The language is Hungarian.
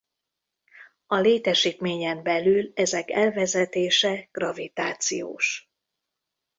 A létesítményen belül ezek elvezetése gravitációs.